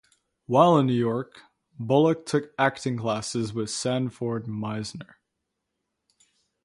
While in New York, Bullock took acting classes with Sanford Meisner.